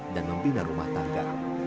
dan membina rumah tangga